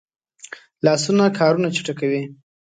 لاسونه کارونه چټکوي